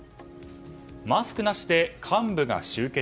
マスクなしで幹部が集結。